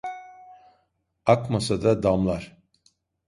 Akmasa da damlar.